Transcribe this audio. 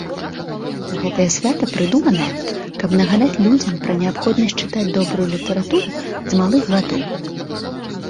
Гэтае свята прыдуманае, каб нагадаць людзям пра неабходнасць чытаць добрую літаратуру з малых гадоў.